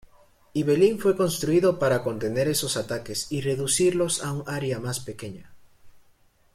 Ibelín fue construido para contener esos ataques y reducirlos a un área más pequeña.